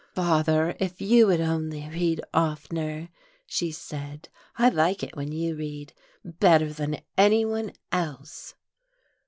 "Father, if you would only read oftener!" she said, "I like it when you read better than anyone else."....